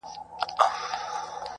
خلاصوي سړی له دین او له ایمانه,